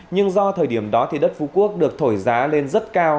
nhưng do thời điểm đó thì đất phú quốc được thổi giá lên rất cao